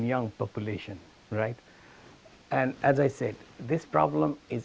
dan seperti yang saya katakan masalah ini ada di mana mana